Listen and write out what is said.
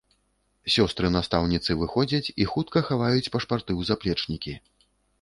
Сёстры-настаўніцы выходзяць і хутка хаваюць пашпарты ў заплечнікі.